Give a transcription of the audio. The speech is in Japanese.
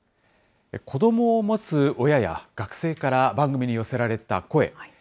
子どもを持つ親や学生から番組に寄せられた声。